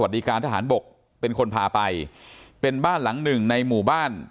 ดีการทหารบกเป็นคนพาไปเป็นบ้านหลังหนึ่งในหมู่บ้าน